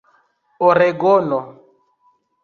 oregono